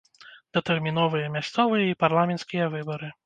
Датэрміновыя мясцовыя і парламенцкія выбары.